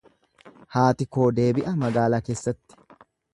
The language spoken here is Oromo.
Haati koo deebi'a magaalaa keessatti.